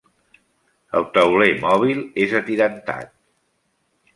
El tauler mòbil és atirantat.